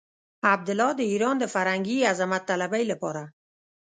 عبدالله د ايران د فرهنګي عظمت طلبۍ لپاره.